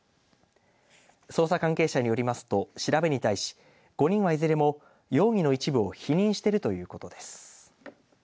捜査関係者によりますと調べに対し５人はいずれも容疑の一部を否認しているということです。